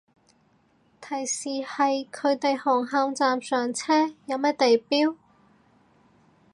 提示係佢哋紅磡站上車，有咩地標